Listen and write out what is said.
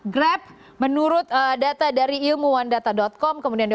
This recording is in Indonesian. grab menurut data dari ilmuwandata com